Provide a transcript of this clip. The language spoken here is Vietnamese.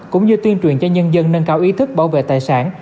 cũng như tuyên truyền cho nhân dân nâng cao ý thức bảo vệ tài sản